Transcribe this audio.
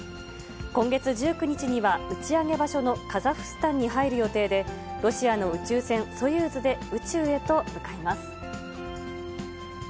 今月１９日には、打ち上げ場所のカザフスタンに入る予定で、ロシアの宇宙船ソユーズで宇宙へと向かいます。